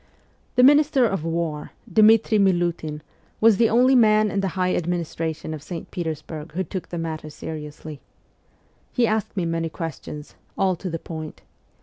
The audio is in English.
The Minister of War, Dmitri Miliitin, was the only man in the high administration of St. Petersburg who took the matter seriously. He asked me many ques tions : all to the point.